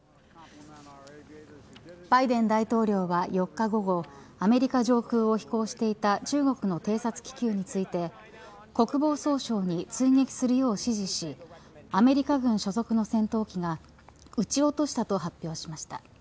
バイデン大統領は４日午後アメリカ上空を飛行していた中国の偵察気球について国防総省に追撃するよう指示しアメリカ軍所属の戦闘機が撃ち落としたと発表しました。